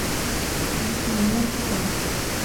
Będzie to najlepszy test